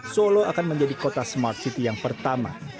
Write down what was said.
solo akan menjadi kota smart city yang pertama